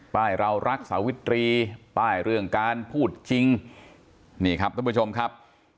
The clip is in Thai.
เรารักสาวิตรีป้ายเรื่องการพูดจริงนี่ครับท่านผู้ชมครับ